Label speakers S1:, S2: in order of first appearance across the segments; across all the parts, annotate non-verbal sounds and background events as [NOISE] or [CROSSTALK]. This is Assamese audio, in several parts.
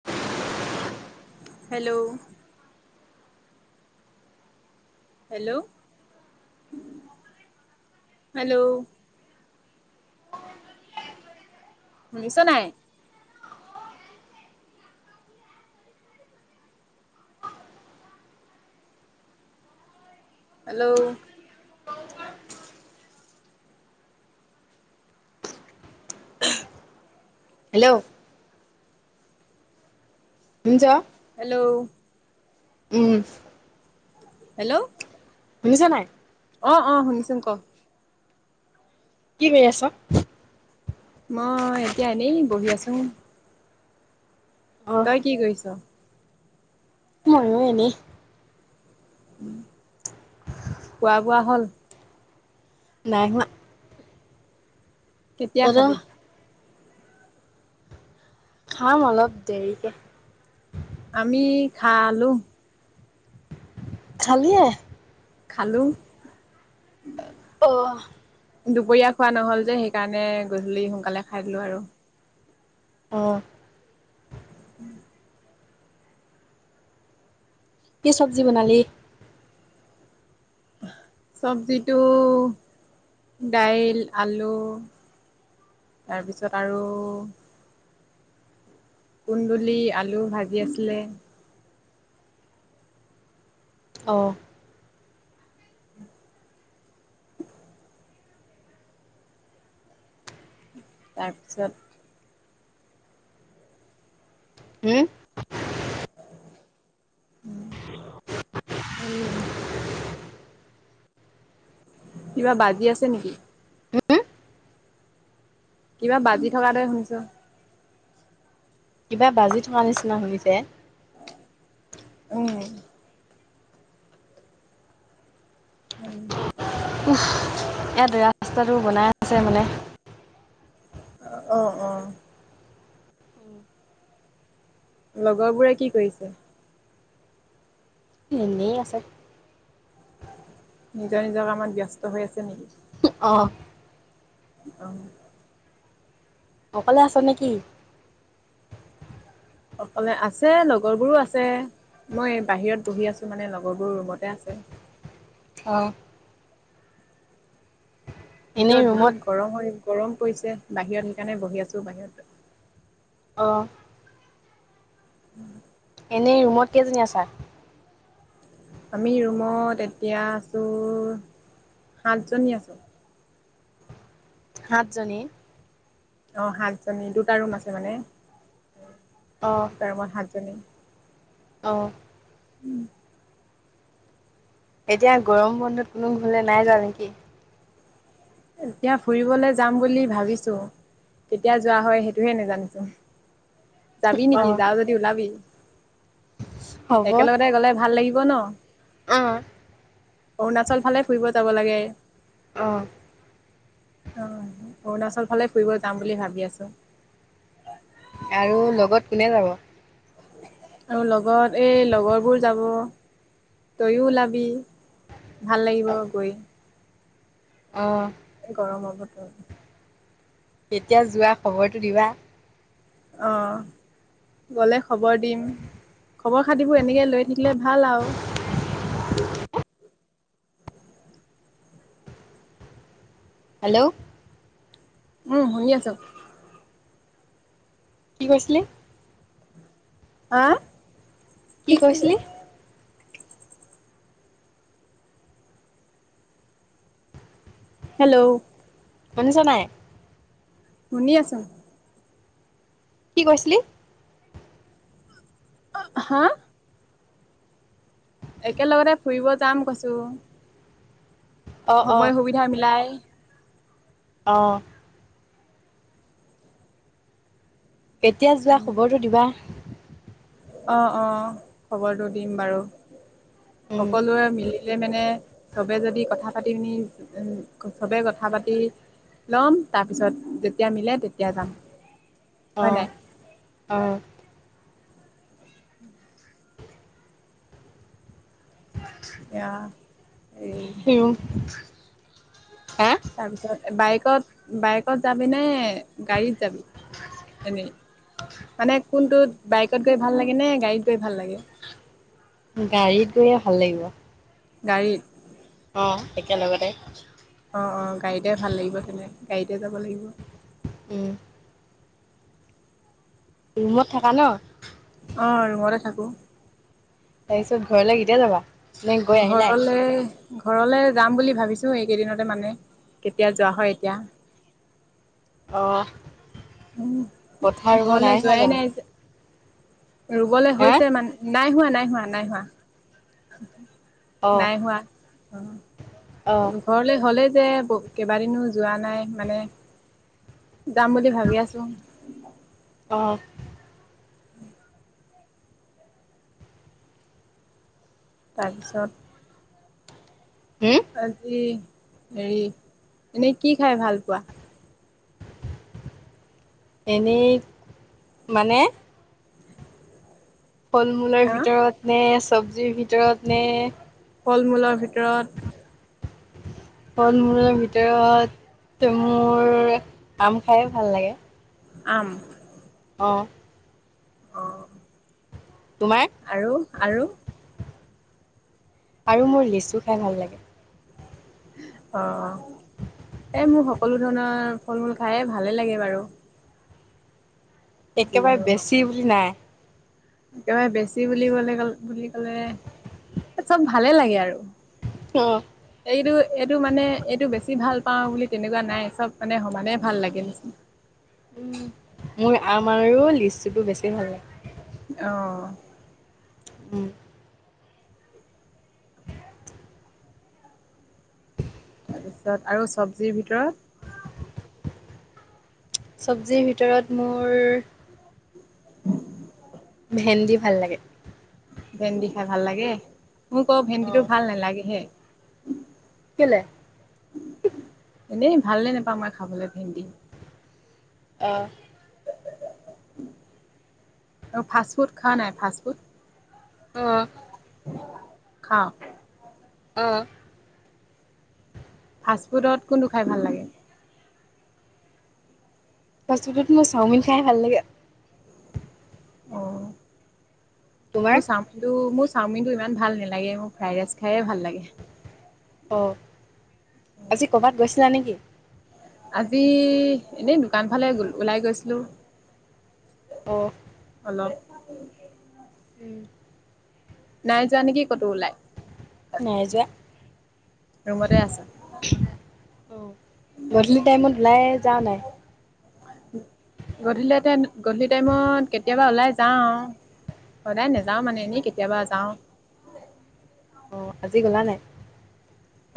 S1: [INAUDIBLE]
S2: হেল্ল'? হেল্ল', হেল্ল' শুনিছ নাই। হেল্ল'?
S1: [UNINTELLIGIBLE] হেল্ল' শুনিছ।
S2: হেল্ল'অ
S1: উম
S2: হেল্ল'
S1: শুনিছা নাই?
S2: অ, অ, 'শুনিছোঁ কওঁক?
S1: কি কৰি আছ?
S2: মই, এতিয়া এনেই বহি আছোঁ।
S1: অ
S2: তই কি কৰিছ?
S1: ময়ো এনেই
S2: খোৱা বোৱা হ'ল?
S1: নাই হোৱা।
S2: কেতিয়া
S1: তহঁতৰ
S2: খাবি?
S1: খাম অলপ দেৰিকে।
S2: আমি খালো।
S1: খালিয়েই?
S2: খালো।
S1: অ'
S2: দুপৰীয়া খোৱা নহল যে সেইকাৰণে গধূলি সোনকালে খাই দিলো আৰু।
S1: অ'। কি চব্জি বনালি।
S2: চব্জিটো দাইল আলু। তাৰপিছত আৰু কুন্দুলি আলু ভাজি আছিলে।
S1: অ',।
S2: তাৰপিছত
S1: উম
S2: [UNINTELLIGIBLE] কিবা বাজি আছে নেকি?
S1: হম
S2: কিবা বাজি থকা দৰে শুনছোঁ।
S1: কিবা বাজি থকা নিচিনা শুনিছে।
S2: উম। উম।
S1: ইয়াত ৰাস্তাটো বনাই আছে মানে।
S2: অ', অ'। লগৰবোৰে কি কৰিছে?
S1: ইনে আছে।
S2: নিজৰ নিজৰ কামত ব্যস্ত হৈ আছে নেকি?
S1: অ'।
S2: অ'।
S1: অকলে আছা নে কি?
S2: অকলে আছে লগৰবোৰো আছে। মই বাহিৰত বহি আছো মানে লগৰ বোৰ ৰুমতে আছে।
S1: অ'। এনেই
S2: ভিতৰত
S1: ৰুমত
S2: বহুত গৰম হৈ গৰম পৰিছে বাহিৰত সেইকাৰণে বহি আছো বাহিৰতে।
S1: অঁ। এনেই ৰুমত কেইজনি আছা?
S2: আমি ৰুমত এতিয়া আছো সাতজনী আছোঁ।
S1: সাতজনি?
S2: অ', সাত জনি দুটা ৰুম আছে মানে।
S1: অ'।
S2: তাৰ মই সাতজনী।
S1: অঁ।
S2: উম।
S1: এতিয়া গৰম বন্ধত কোনো ঘৰলৈ নাই যোৱা নেকি?
S2: এতিয়া ফুৰিবলৈ যাম বুলি ভাবিছোঁ, কেতিয়া যোৱা হয় সেইটোহে নেজানিছোঁ। যাবি
S1: অ
S2: নেকি? যাৱ যদি ওলাবি।
S1: হ'ব
S2: একেলগতে গ'লে ভাল লাগিব ন,
S1: অ
S2: অৰুণাচল ফালে ফুৰিব যাব লাগে।
S1: অ'।
S2: অ', অৰুণাচল ফালে ফুৰিব যাম বুলি ভাবি আছোঁ।
S1: আৰু লগত কোনে যাব?
S2: আৰু লগত এই লগৰবোৰ যাব তয়ো ওলাবি। ভাল লাগিব গৈ।
S1: অঁ।
S2: গৰমৰ বতৰ।
S1: কেতিয়া যোৱা খবৰটো দিবা।
S2: অ'। গ'লে খবৰ দিম, খবৰ খাতিবোৰ এনেকে লৈ থাকিলে ভাল আৰু।
S1: হেল্ল'।
S2: উম শুনি আছোঁ।
S1: কি কৈছিলে?
S2: আ?
S1: কি কৈছিলি?
S2: হেল্ল'?
S1: শুনিছন নাই?
S2: শুনি আছোঁ।
S1: কি কৈছিলি?
S2: হা? একেলগতে ফুৰিব যাম কৈছো।
S1: অ',
S2: সময়
S1: অ',
S2: সুবিধা মিলাই
S1: অ'। কেতিয়া যোৱা, খবৰটো দিবা।
S2: অ', অ', খবৰটো দিম বাৰু,
S1: উম,
S2: সকলোৱে মিলি লে মানে, চবে যদি কথা পাতি পিনি, উ, চবে কথা পাতি ল'ম, তাৰপিছত যেতিয়া মিলে তেতিয়া যাম। হয়
S1: অ',
S2: নাই
S1: অ'।
S2: এয়া, এই
S1: নিউ, হা?
S2: তাৰপিছত বাইকত, বাইকত যাবিনে, গাড়ীত যাবি? এনেই, মানে কোনটোত, বাইকত গৈ ভাল লাগে নে, গাড়ীত গৈ ভাল লাগে?
S1: গাড়ীত গৈয়ে ভাল লাগিব।
S2: গাড়ীত?
S1: অ', একে লগতে।
S2: অ', অ', গাড়ীতে ভাল লাগিব তেনে, গাড়ীতে যাব লাগিব।
S1: উম। ৰুমত থকা ন'?
S2: অ', ৰুমতে থাকোঁ।
S1: তাৰ পিছত, ঘৰলৈ কেতিয়া যাবা? নে গৈ আহিলাই
S2: ঘৰলে ঘৰলে যাম বুলি ভাবিছো এইকেইদিনতে মানে, কেতিয়া যোৱা হয় এতিয়া।
S1: অহ।
S2: উম
S1: পথাৰ ৰুব
S2: ঘৰলে
S1: নাই হোৱা জানোঁ?
S2: ৰুবলে হৈছে মান, নাই হোৱা, নাই হোৱা, নাই হোৱা। নাই হোৱা, অ'।
S1: অহ।
S2: ঘৰলে, হ'লেই যে, ব, কেইবাদিনো যোৱা নাই মানে। যাম বুলি ভাবি আছোঁ।
S1: অহ।
S2: তাৰপিছত
S1: হম
S2: আজি হেৰি, এনেই কি খাই ভাল পোৱা?
S1: এনেই, মানে? ফল মূলৰ
S2: আহ
S1: ভিতৰত নে, চব্জিৰ ভিতৰত নে
S2: ফল মূলৰ ভিতৰত?
S1: ফল মূলৰ ভিতৰত, ত' মোৰ আম খাইয়ে ভাল লাগে।
S2: আম?
S1: অ'।
S2: অ
S1: তোমাৰ?
S2: আৰু, আৰু।
S1: আৰু মোৰ লিচু খাই ভাল লাগে।
S2: অ', অ', এ মোৰ সকলো ধৰণৰ ফল-মূল খাইয়ে ভালে লাগে বাৰু।
S1: একেবাৰে
S2: যিকোনো হওক
S1: বেছি বুলি নাই।
S2: একেবাৰে বেছি বুলি ক'লে, বুলি ক'লে এ চব ভালে লাগে আৰু।
S1: হম।
S2: এইটো এইটো মানে এইটো বেছি ভাল পাওঁ বুলি তেনেকুৱা নাই, চব মানে সমানে ভাল লাগে দে চোন।
S1: উম, মোৰ আমা আৰু লেচুটো বেছি ভাল লাগে।
S2: অহ।
S1: উম।
S2: তাৰপিছত আৰু চব্জিৰ ভিতৰত?
S1: চব্জিৰ ভিতৰত মোৰ
S2: [INAUDIBLE]
S1: ভেন্দি ভাল লাগে।
S2: ভেন্দি খাই ভাল লাগে! মোৰ বাৰু
S1: অ
S2: ভেন্দিটো ভাল নালাগেহে।
S1: কেলে?
S2: এনেই, ভালে নাপাওঁ মই খাবলৈ ভেন্দি।
S1: অ'।
S2: [UNINTELLIGIBLE] ফাষ্ট ফুড খাৱা নাই? Fast food?
S1: অ'।
S2: খাঁও।
S1: অ'।
S2: ফাষ্ট ফুডত কোনটো খাই ভাল লাগে?
S1: ফাষ্টফুডত মোৰ চাওমিন খাইহে ভাল লাগে।
S2: অ',
S1: তোমাৰ
S2: মোৰ চাওমিন কিন্তু মোৰ চাওমিনটো ইমান ভাল নালাগে, মোৰ ফ্ৰাইড ৰাইচ খায়ে ভাল লাগে।
S1: অ', আজি ক'ৰবাত গৈছিলা নেকি?
S2: আজি এনেই দোকান ফালে, [UNINTELLIGIBLE] ওলাই গৈছিলো।
S1: অ'।
S2: অলপ।
S1: উম।
S2: নাই যোৱা নেকি ক'তো ওলাই?
S1: নাই যোৱা,
S2: ৰুমতে আছা?
S1: অ'। গধূলি টাইমত ওলাই যাৱ নাই?
S2: গধূলি টাইমত, গধূলি টাইমত কেতিয়াবা ওলাই যাও। সদায় নেযাওঁ মানে, এনেই কেতিয়াবা যাওঁ।
S1: অ', আজি গ'লা নাই?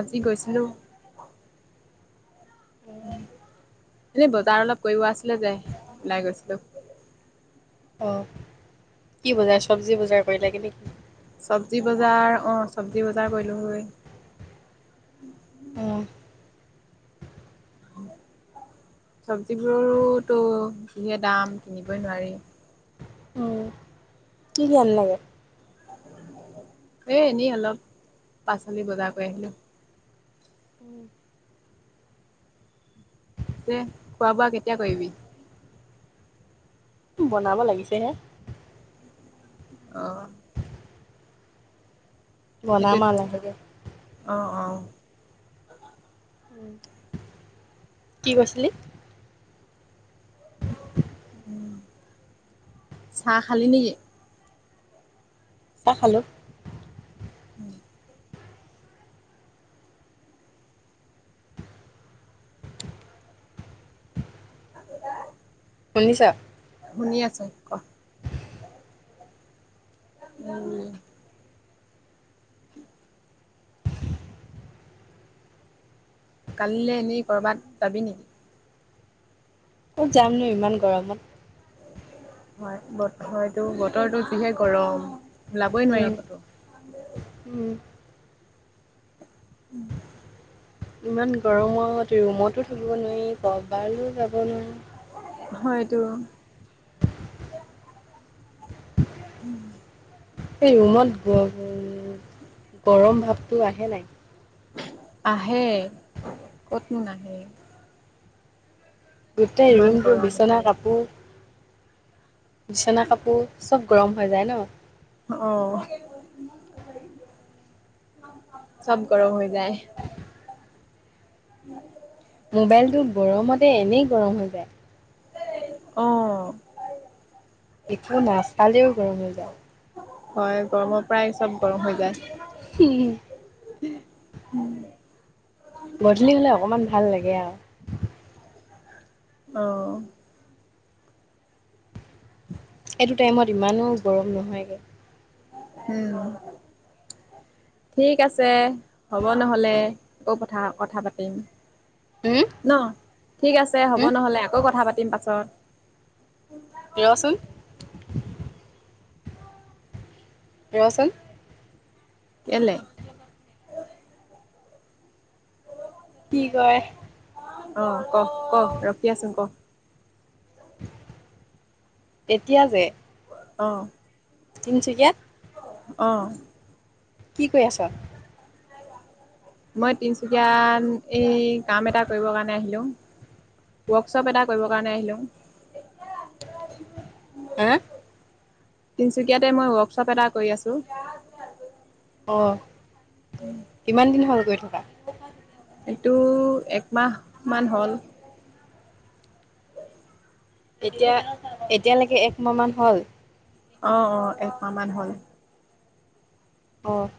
S2: আজি গৈছিলো। এনেই বজাৰ অলপ কৰিব আছিলে যে, ওলাই গৈছিলো।
S1: অ', কি বজাৰ, চব্জি বজাৰ কৰিলাগে নেকি?
S2: চব্জি বজাৰ অ' চব্জি বজাৰ কৰিলোঁ গৈ।
S1: উম।
S2: চব্জিবোৰোতো যিহে দাম কিনিবই নোৱাৰি।
S1: অ'। কি ধ্যান লাগে?
S2: এ, এনেই অলপ, পাচলি বজাৰ কৰি আহিলোঁ।
S1: উম।
S2: পিছে খোৱা বোৱা কেতিয়া কৰিবি?
S1: বনাব লাগিছেহে।
S2: অ'।
S1: বনাম আৰু
S2: সেইটোয়েইতো,
S1: লাহেকে
S2: অ', অ'।
S1: কি কৈছিলি?
S2: চাহ খালি নেকি?
S1: চাহ খালোঁ।
S2: উম। [UNINTELLIGIBLE]
S1: শুনিছ?
S2: শুনি আছোঁ ক। উম। কাইলে এনেই ক'ৰবাত যাবি নেকি?
S1: ক'ত যামনো ইমান গৰমত?
S2: হয়, হয়তো বতৰটো যিহে গৰম, ওলাবই নোৱাৰি
S1: উম
S2: ক'তো।
S1: উম।
S2: উম।
S1: ইমান গৰমত ৰুমতো থাকিব নোৱাৰি, কৰ'বালৈও যাব নোৱাৰি।
S2: হয়টো। উম।
S1: এই ৰুমত উম, গৰম ভাৱটো আহে নাই?
S2: আহে, ক'তনো নাহে।
S1: গোটেই
S2: ইমান
S1: ৰুমটো
S2: গৰম
S1: বিচনা,
S2: উঠে
S1: কাপোৰ বিছনা কাপোৰ চব গৰম হৈ যায় ন?
S2: অ', চব গৰম হৈ যায়।
S1: মোবাইলটো গৰমতে, এনেই গৰম হৈ যায়।
S2: অ'।
S1: একো নাচালেও গৰম হৈ যায়।
S2: হয়, গৰমৰ পৰাই চব গৰম হৈ যায়।
S1: উম। গধূলি হ'লে অকণমান ভাল লাগে আৰু।
S2: অ'।
S1: সেইটো টাইমত ইমানো গৰম নহয়গে।
S2: উম, ঠিক আছে। হ'ব নহ'লে, আকৌ কথা, কথা পাতিম।
S1: উম?
S2: ন? ঠিক আছে হ'ব নহ'লে, আকৌ কথা পাতিম পাছত।
S1: পিয়চোন। ৰচোন।
S2: কেলে?
S1: কি কয়?
S2: অ', ক, ক, ৰখি আছোং ক।
S1: তেতিয়া যে
S2: অ'।
S1: তিনিচুকীয়াত।
S2: অ'।
S1: কি কৰি আছ।
S2: মই তিনচুকীয়াত, এই কাম এটা কৰিব কাৰণে আহিলোঁ। ৱৰ্কশ্বপ এটা কৰিবৰ কাৰণে আহিলোঁ।
S1: হা?
S2: তিনচুকীয়াতে মই ৱৰ্কশ্বপ এটা কৰি আছোঁ।
S1: অ', কিমান দিন হ'ল গৈ থকা?
S2: এইটো একমাহমান হ'ল।
S1: এতিয়া, এতিয়ালৈকে একমাহ মান হ'ল?
S2: অ', অ', একমাহ মান হ'ল।
S1: অ'।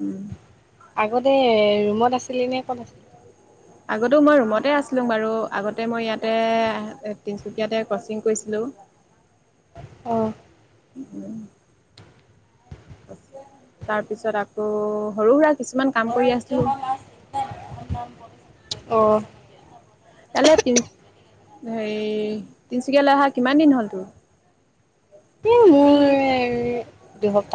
S2: উম।
S1: আগতে ৰুমত আছিলি নে, ক'ত আছিলি?
S2: আগতো, মই ৰুমতে আছিলোঁ বাৰু, আগতে মই ইয়াতে, তিনিচুকীয়াতে ক'চিং কৰিছিলোঁ।
S1: অ'।
S2: উম। তাৰপিছত আকৌ সৰু সুৰা কিছুমান কাম কৰি আছিলোঁ।
S1: অ'।
S2: তেতিয়াহলে তিন হেৰি তিনচুকীয়ালৈ অহা কিমান দিন হ'ল তোৰ?
S1: হে মোৰ দুই সপ্তাহ।